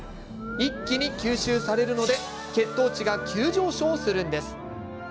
一気に吸収されるので血糖値が急上昇するんです。